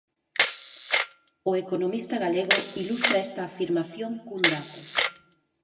O economista galego ilustra esta afirmación cun dato: